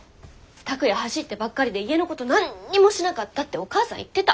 拓哉走ってばっかりで家のこと何にもしなかったってお義母さん言ってた。